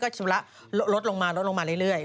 ก็ชำระลดลงมาเรื่อย